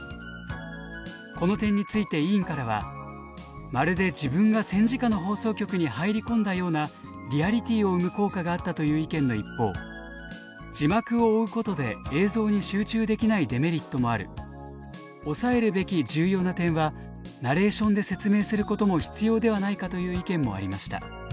この点について委員からは「まるで自分が戦時下の放送局に入り込んだようなリアリティーを生む効果があった」という意見の一方「字幕を追うことで映像に集中できないデメリットもある」「押さえるべき重要な点はナレーションで説明することも必要ではないか」という意見もありました。